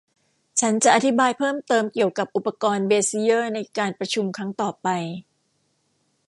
ฉันจะอธิบายเพิ่มเติมเกี่ยวกับอุปกรณ์เบซิเยอร์ในการประชุมครั้งต่อไป